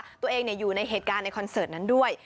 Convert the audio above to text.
ตัวเองอยู่ในเหตุการณ์ในคอนเสิร์ตนั้นด้วย